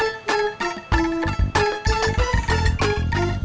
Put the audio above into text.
aku kena tanggal sekarang ke bukas